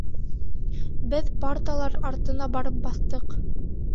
Беҙ парталар артына барып баҫтыҡ.